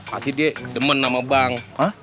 pasti dia demen sama bank